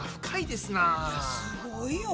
すごいよ。